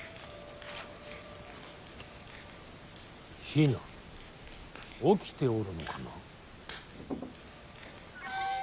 比奈起きておるのかな。